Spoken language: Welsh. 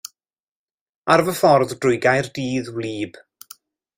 Ar fy ffordd drwy Gaerdydd wlyb.